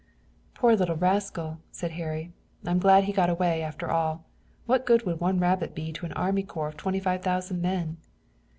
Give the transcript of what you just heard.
"Poor little rascal," said Harry, "I'm glad he got away after all. What good would one rabbit be to an army corps of twenty five thousand men?"